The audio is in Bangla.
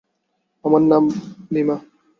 আমার নাম লীম!